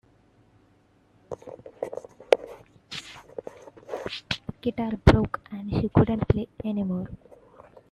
The guitar broke and she couldn't play anymore.